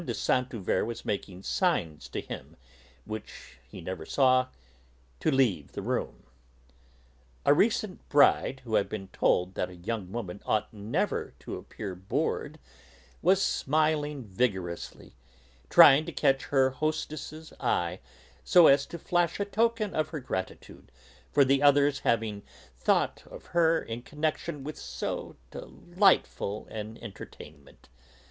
de Saint Euverte was making signs to him, which he never saw, to leave the room. A recent bride, who had been told that a young woman ought never to appear bored, was smiling vigorously, trying to catch her hostess's eye so as to flash a token of her gratitude for the other's having 'thought of her' in connection with so delightful an entertainment.